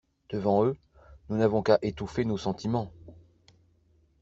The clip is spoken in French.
Devant eux, nous n'avons qu'à étouffer nos sentiments!